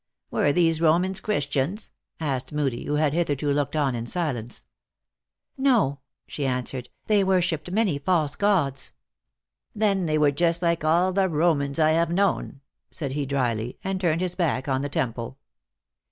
"Were these Romans Christians?" asked Moedie, who had hitherto looked on in silence. " JSTo," she answered, " they worshipped many false gods." "Then they were just like all the Romans I have known," said he dryly, and turned his back on the temple.